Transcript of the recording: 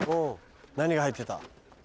何が入ってた？